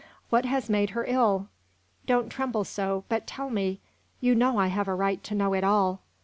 What has made her ill? Don't tremble so, but tell me you know I have a right to know it all."